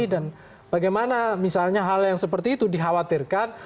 dan bagaimana misalnya hal yang seperti itu dikhawatirkan